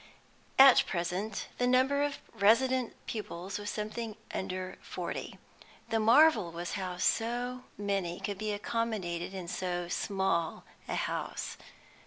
At present the number of resident pupils was something under forty. The marvel was how so many could be accommodated in so small a house.